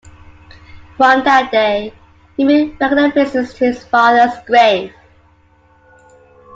From that day he made regular visits to his father's grave.